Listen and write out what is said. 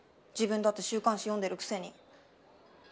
自分だって週刊誌読んでるくせに。